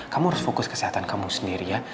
kamu harus fokus kesehatan kamu sendirian